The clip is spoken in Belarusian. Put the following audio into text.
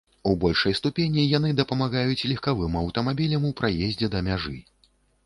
У большай ступені яны дапамагаюць легкавым аўтамабілям у праездзе да мяжы.